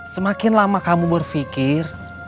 semakin lama kamu berpikir